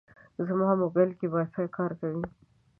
زما موبایل کې وايفای کار کوي.